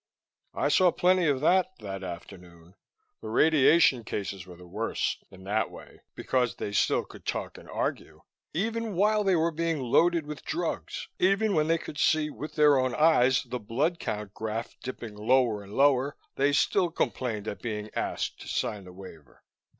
I saw plenty of that, that afternoon. The radiation cases were the worst, in that way, because they still could talk and argue. Even while they were being loaded with drugs, even while they could see with their own eyes the blood count graph dipping lower and lower, they still complained at being asked to sign the waiver.